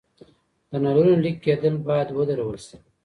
د نلونو لیک کیدل باید ودرول شي.